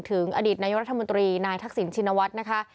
อดีตนายกรัฐมนตรีนายทักษิณชินวัฒน์นะคะ